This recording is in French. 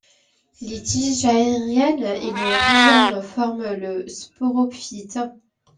Les tiges aériennes et le rhizome forment le sporophyte.